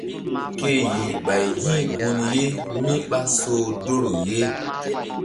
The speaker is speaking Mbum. Ke yih ɓay hi̧ gun ye mí ɓá soh doro ye.